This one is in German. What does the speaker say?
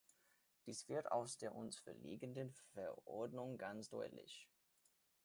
Dies wird aus der uns vorliegenden Verordnung ganz deutlich.